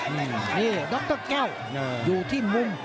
นี่ดรแก้วอยู่ที่มุม